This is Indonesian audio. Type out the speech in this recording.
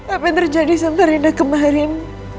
apa yang terjadi sama rena kemarin